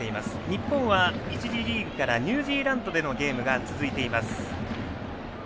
日本は１次リーグからニュージーランドでのゲームが続いています。